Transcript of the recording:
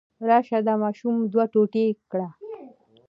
راشه دا ماشوم دوه ټوټې کړه.